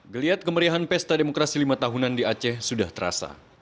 geliat kemeriahan pesta demokrasi lima tahunan di aceh sudah terasa